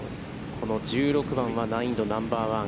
この１６番は、難易度ナンバーワン。